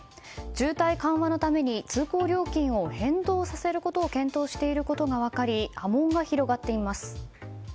渋滞緩和のために通行料金を変動させることを検討していることが分かり波紋が広がっています。